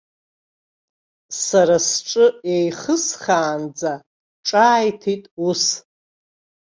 Сара сҿы еихысхаанӡа ҿааиҭит ус.